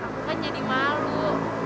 kamu kan jadi malu